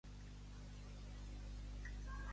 Vull anar al passatge d'Alfonso Lafuente amb bicicleta.